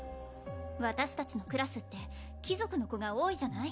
私達のクラスって貴族の子が多いじゃない？